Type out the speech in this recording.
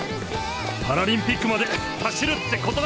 パラリンピックまで走るってことだ！